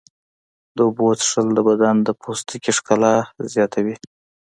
د اوبو څښل د بدن د پوستکي ښکلا زیاتوي.